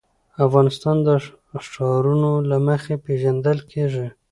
افغانستان د ښارونه له مخې پېژندل کېږي.